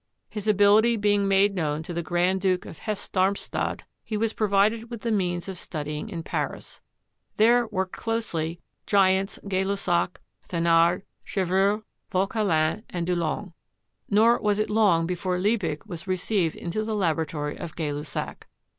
His ability being made known to the Grand Duke of Hesse Darmstadt, he was provided with the means of studying in Paris. There worked those giants, Gay Lussac, Thenard, Chevreul, Vauquelin, and Dulong; nor was it long before Liebig was received into the laboratory of Gay Lussac.